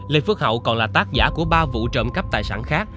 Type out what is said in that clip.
lê phước hậu còn là tác giả của ba vụ trộm cắp tài sản khác